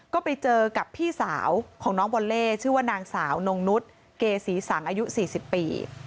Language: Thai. ก็ไปเจอกับพี่สาวของน้องบอลเล่ชื่อว่านางสาวนงนุษย์เกษีสังอายุ๔๐ปี